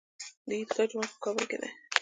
د عیدګاه جومات په کابل کې دی